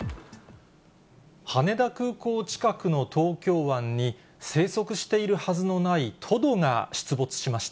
羽田空港近くの東京湾に、生息しているはずのないトドが出没しました。